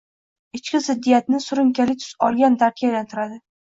ichki ziddiyatni surunkali tus olgan dardga aylantiradi.